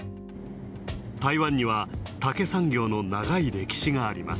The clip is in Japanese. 台湾には、竹産業の長い歴史があります。